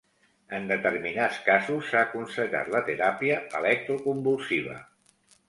En determinats casos s'ha aconsellat la teràpia electroconvulsiva.